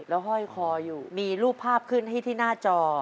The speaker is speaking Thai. แล้วห้อยคออยู่มีรูปภาพขึ้นให้ที่หน้าจอ